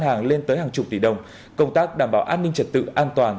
hàng lên tới hàng chục tỷ đồng công tác đảm bảo an ninh trật tự an toàn